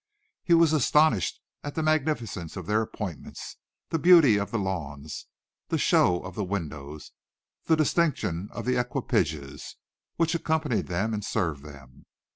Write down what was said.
He was astonished at the magnificence of their appointments, the beauty of the lawns, the show of the windows, the distinction of the equipages which accompanied them and served them.